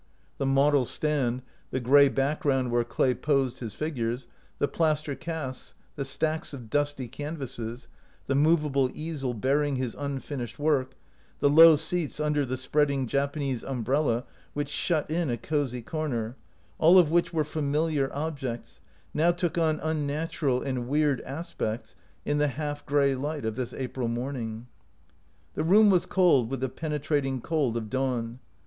The model stand, the gray background where Clay posed his figures, the plaster casts, the stacks of dusty canvases, the movable easel bearing his unfinished work, the low seats under the spreading Japanese umbrella which shut in a cosy corner, all of which were familiar objects, now took on unnatural and weird aspects in the half gray light of this April morning. The room was cold with the penetrating cold of dawn.